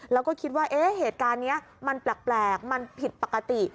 แล้วก็คิดว่าเหตุการณ์นี้มันแปลกมันผิดปกติ